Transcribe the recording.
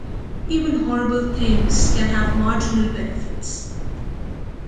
Even horrible things can have marginal benefits